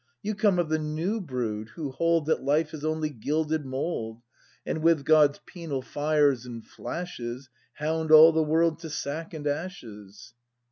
You come of the new brood, who hold That life is only gilded mould. And with God's penal fires and flashes Hound all the world to sack and ashes.